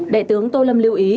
đệ tướng tô lâm lưu ý